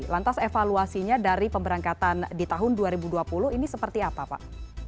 lantas evaluasinya dari pemberangkatan di tahun dua ribu dua puluh ini seperti apa pak